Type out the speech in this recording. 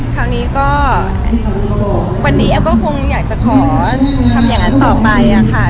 คราวนี้ก็วันนี้แอฟก็คงอยากจะขอทำอย่างนั้นต่อไปค่ะ